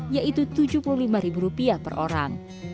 yaitu tujuh puluh lima ribu rupiah per orang